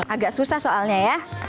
agak susah soalnya ya